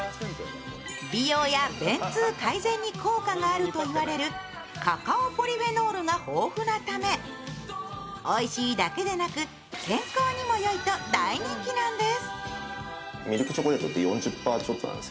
美容や便通改善に効果があると言われるカカオポリフェノールが豊富なためおいしいだけでなく健康にもいいと大人気なんです。